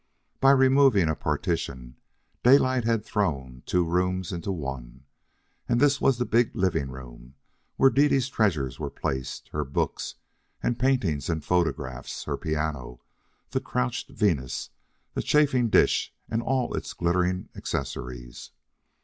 By removing a partition, Daylight had thrown two rooms into one, and this was the big living room where Dede's treasures were placed her books, and paintings and photographs, her piano, the Crouched Venus, the chafing dish and all its glittering accessories.